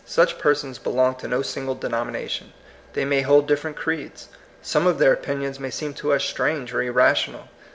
Such persons be long to no single denomination. They may hold different creeds. Some of their opin ions may seem to us strange or irrational.